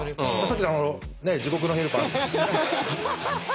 さっきの地獄のヘルパー。